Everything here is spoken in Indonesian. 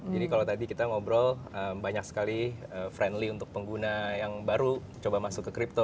jadi kalau tadi kita ngobrol banyak sekali friendly untuk pengguna yang baru coba masuk ke crypto